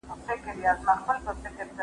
زه پرون موبایل کاروم!.